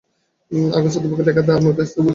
অগাস্ত দ্যুপোঁকে নিয়ে লেখা the murders in the রু।